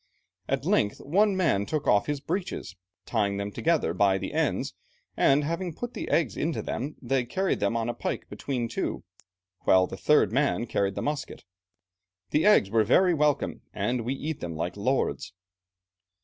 At length one man took off his breeches, tying them together by the ends, and having put the eggs into them, they carried them on a pike between two, while the third man carried the musket. The eggs were very welcome, and we eat them like lords."